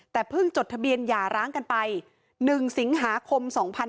แต่เพิ่งจดทะเบียนหย่าร้างกันไป๑สิงหาคม๒๕๕๙